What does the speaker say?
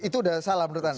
itu udah salah menurut anda